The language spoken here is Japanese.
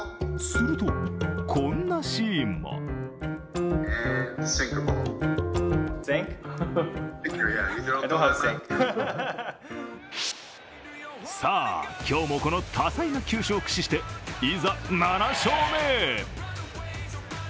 すると、こんなシーンもさあ今日も、この多彩な球種を駆使して、いざ７勝目へ。